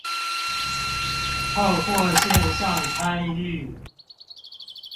透過線上參與